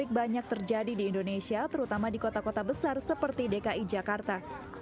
yang banyak terjadi di indonesia terutama di kota kota besar seperti dki jakarta